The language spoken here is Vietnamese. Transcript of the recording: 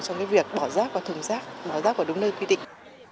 trong cái việc bỏ rác và thùng rác bỏ rác vào đúng nơi quy định